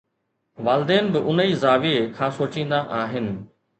والدين به ان ئي زاويي کان سوچيندا آهن.